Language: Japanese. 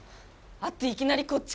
会っていきなりこっち